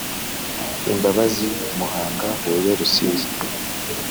imbabazi Muhanga Huye Rusizi